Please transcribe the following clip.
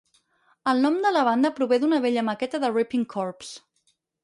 El nom de la banda prové d'una vella maqueta de Ripping Corpse.